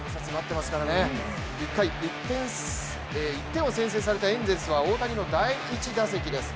１回、１点を先制されたエンゼルスは大谷の第１打席です。